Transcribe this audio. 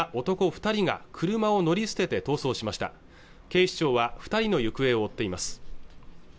二人が車を乗り捨てて逃走しました警視庁は二人の行方を追っています